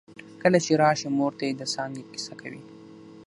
کله چې راشې مور ته يې د څانګې کیسه کوي